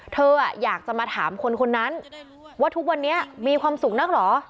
เธออยากจะมาถามคนคนนั้นว่าทุกวันนี้มีความสุขนักเหรอ